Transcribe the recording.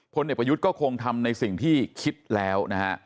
เด็กประยุทธ์ก็คงทำในสิ่งที่คิดแล้วนะฮะ